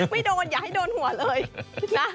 ไม่โดนอย่าให้โดนหัวเลยนะ